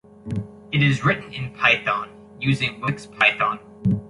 It is written in Python using wxPython.